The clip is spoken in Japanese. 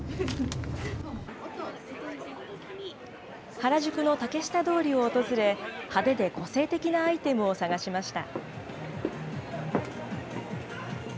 原宿の竹下通りを訪れ、派手で個性的なアイテムを探しました。